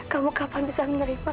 kamu kapan bisa menerima